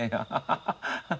ハハハッ。